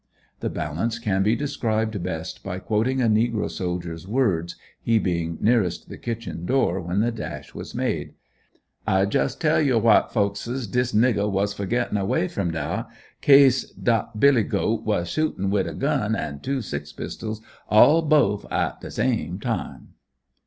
The balance can be described best by quoting a negro soldier's words, he being nearest the kitchen door when the dash was made: "I jes' tell you white folkses dis nigger was for getting away from dah, kase dat Billy goat was shooten wid a gun and two six pistols all bofe at de same time."